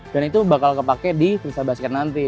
dan itu bakal kepake di freestyle basket nanti